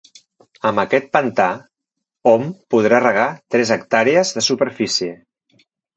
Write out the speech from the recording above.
Amb aquest pantà hom podrà regar tres hectàrees de superfície.